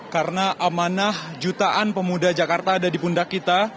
karena amanah jutaan pemuda jakarta ada di pundak kita